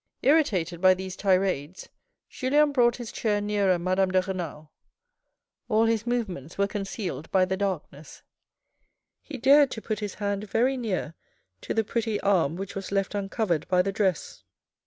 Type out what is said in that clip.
Irritated by these tirades, Julien brought his chair nearer Madame de Renal. All his movements were concealed by the darkness. He dared to put his hand very near to the pretty arm which was left uncovered by the dress.